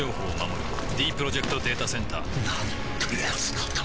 ディープロジェクト・データセンターなんてやつなんだ